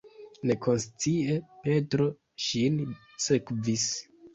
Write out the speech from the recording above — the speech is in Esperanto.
Nekonscie Petro ŝin sekvis.